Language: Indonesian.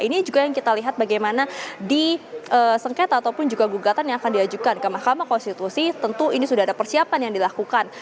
ini juga yang kita lihat bagaimana di sengketa ataupun juga gugatan yang akan diajukan ke mahkamah konstitusi tentu ini sudah ada persiapan yang dilakukan